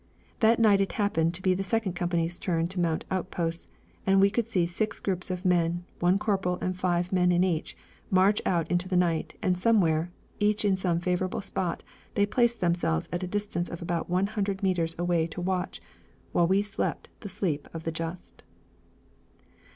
That night it happened to be the second company's turn to mount outposts, and we could see six groups of men, one corporal and five men in each, march out into the night and somewhere, each in some favorable spot, they placed themselves at a distance of about one hundred metres away to watch, while we slept the sleep of the just.